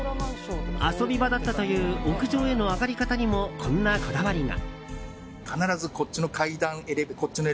遊び場だったという屋上への上がり方にもこんなこだわりが。